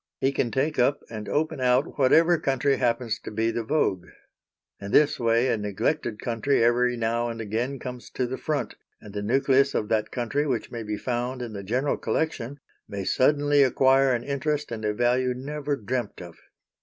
He can take up and open out whatever country happens to be the vogue. In this way a neglected country every now and again comes to the front, and the nucleus of that country which may be found in the general collection may suddenly acquire an interest and a value never dreamt of.